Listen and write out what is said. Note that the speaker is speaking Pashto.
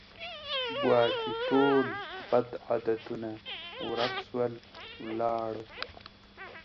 ګواکي ټول بد عادتونه ورک سول ولاړه